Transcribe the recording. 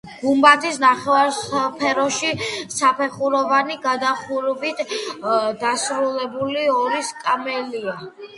გუმბათის ნახევარსფეროში საფეხუროვანი გადახურვით დასრულებული ორი სარკმელია.